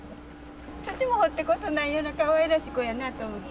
土も掘ったこともないようなかわいらしい子やなと思って。